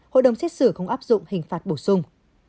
hội đồng xét xử không áp dụng hình phạt bổ sung